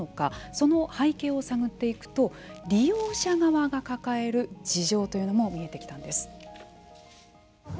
その背景を探っていくと利用者側が抱える事情というものも見えてきたんです。